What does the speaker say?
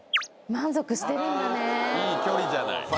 あらいい距離じゃない。